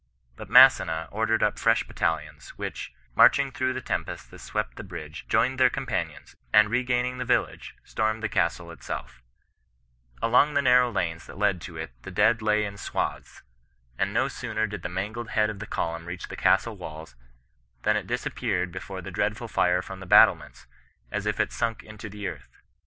But Massena ordered up fresh battalions, which, march ing through the tempest that swept the bridge, joined their companions, and regaining the village, stormed the castle itsel£ Along the narrow lanes that led to it the dead lay in swathes, and no sooner did the mailed head of the colunm reach the castle walls, than it disap peared before the dreadful fire from the battlements, as if it sunk into the earth.